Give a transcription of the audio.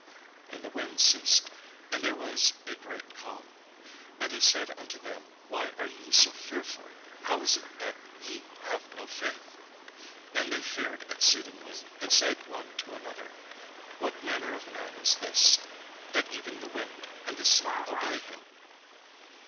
And the wind ceased, and there was a great calm. And he said unto them: "Why are ye so fearful? How is it that ye have no faith?" And they feared exceedingly, and said one to another: "What manner of man is this, that even the wind and the sea obey him?"